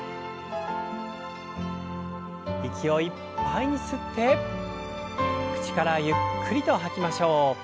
息をいっぱいに吸って口からゆっくりと吐きましょう。